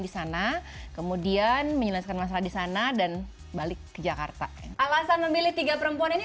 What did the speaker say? di sana kemudian menyelesaikan masalah di sana dan balik ke jakarta alasan memilih tiga perempuan ini